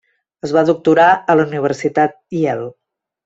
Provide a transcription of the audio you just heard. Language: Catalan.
Es va doctorar a la Universitat Yale.